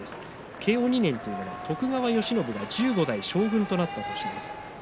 慶応２年というのは徳川慶喜が１５代将軍となった年です。